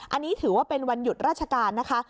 อันนี้ถือว่าเป็นวันหยุดราชการนะคะ